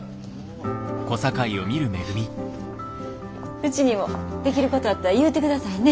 うちにもできることあったら言うてくださいね。